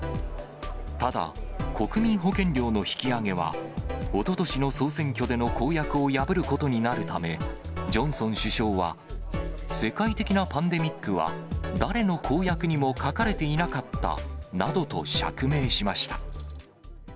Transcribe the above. ただ、国民保険料の引き上げは、おととしの総選挙での公約を破ることになるため、ジョンソン首相は、世界的なパンデミックは誰の公約にも書かれていなかったなどと釈明しました。